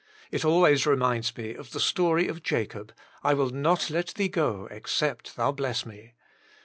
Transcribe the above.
It always reminds me of the story of Jacob, <* I will not let Thee go, except Thou bless me."